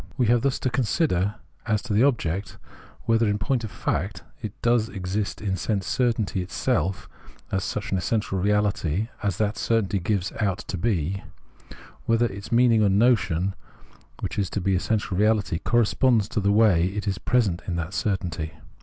We have thiis to consider as to the object, whether in point of fact it does exist in sense certainty itself as such an essential reality as that certainty gives it out to be ; whether its meaning and notion, which is to be essential reahty, corresponds to the way it is present in that certainty.